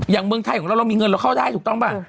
เมืองไทยของเราเรามีเงินเราเข้าได้ถูกต้องป่ะ